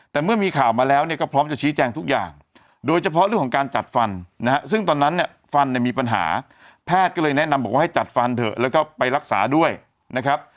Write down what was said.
แต่เมื่อมีข่าวมาแล้วเนี่ยก็พร้อมจะชี้แจงทุกอย่างโดยเฉพาะเรื่องของการจัดฟันนะฮะซึ่งตอนนั้นเนี่ยฟันเนี่ยมีปัญหาแพทย์ก็เลยแนะนำบอกว่าให้จัดฟันเถอะแล้วก็ไปรักษาด้วยนะครับ